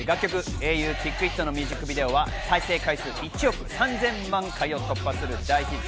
『英雄；ＫｉｃｋＩｔ』のミュージックビデオは再生回数１億３０００万回を突破する大ヒット。